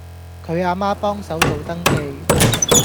佢阿媽幫手做登記